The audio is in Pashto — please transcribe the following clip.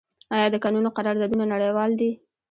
آیا د کانونو قراردادونه نړیوال دي؟